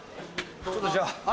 ちょっとじゃあ。